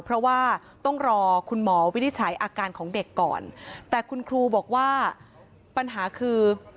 เพราะว่าต้องรอคุณหมอวินิจฉัยอาการของเด็กก่อนแต่คุณครูบอกว่าปัญหาคือ